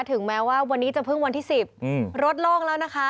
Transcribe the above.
ถึงแม้ว่าวันนี้จะเพิ่งวันที่๑๐รถโล่งแล้วนะคะ